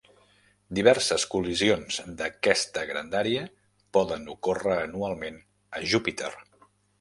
Diverses col·lisions d'aquesta grandària poden ocórrer anualment a Júpiter.